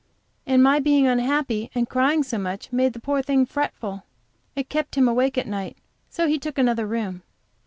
And my being unhappy and crying so much, made the poor thing fretful; it kept him awake at night, so he took another room.